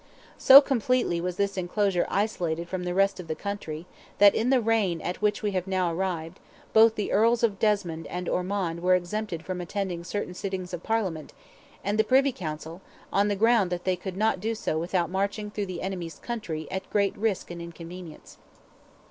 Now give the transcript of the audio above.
So completely was this enclosure isolated from the rest of the country that, in the reign at which we have now arrived, both the Earls of Desmond and Ormond were exempted from attending certain sittings of Parliament, and the Privy Council, on the ground that they could not do so without marching through the enemy's country at great risk and inconvenience.